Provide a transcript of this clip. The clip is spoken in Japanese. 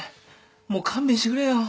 もう勘弁してくれよ。